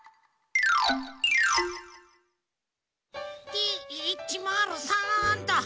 Ｄ１０３っと！